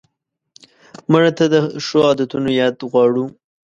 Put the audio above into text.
مړه ته د ښو عادتونو یاد غواړو